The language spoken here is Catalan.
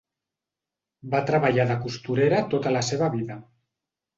Va treballar de costurera tota la seva vida.